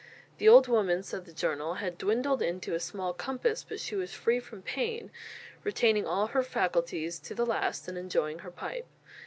The old woman, said the journal, "had dwindled into a small compass, but she was free from pain, retaining all her faculties to the last, and enjoying her pipe.